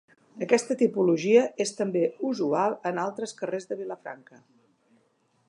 Aquesta tipologia és també usual en altres carrers de Vilafranca.